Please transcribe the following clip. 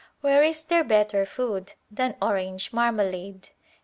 Where is there better food than orange marmalade?